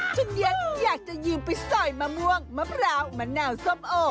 จนเดี๋ยวอยากจะยืมไปส่อยมะม่วงมะพร้าวมะหนาวซ่อมโอ้